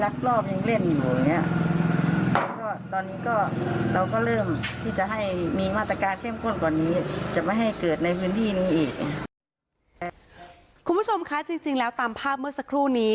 คุณผู้ชมคะจริงแล้วตามภาพเมื่อสักครู่นี้